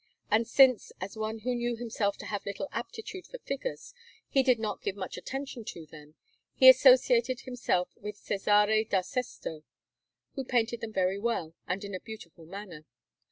And since, as one who knew himself to have little aptitude for figures, he did not give much attention to them, he associated himself with Cesare da Sesto, who painted them very well and in a beautiful manner.